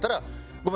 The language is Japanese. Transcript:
ごめん！